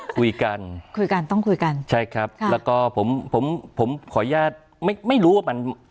คุยกันคุยกันต้องคุยกันใช่ครับแล้วก็ผมผมขออนุญาตไม่ไม่รู้ว่ามัน